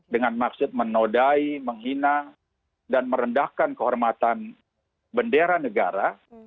dengan maksud menodai menghina dan merendahkan kehormatan bendera negara